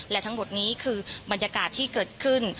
และทั้งหมดนี้คือบรรยากาศที่เกิดขึ้น